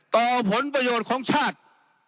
ผลประโยชน์ของชาติ